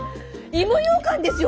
芋ようかんですよ